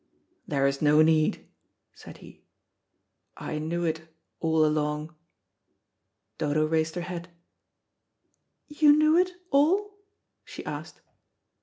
"There is no need," said he; "I knew it all along." Dodo raised her head. "You knew it all?" she asked.